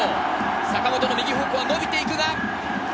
坂本の右方向が伸びていくが。